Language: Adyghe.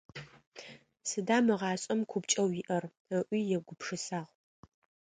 Сыда мы гъашӀэм купкӀэу иӀэр?- ыӀуи егупшысагъ.